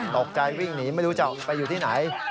ตกใจวิ่งหนีไม่รู้จะเอาไปอยู่ที่ไหน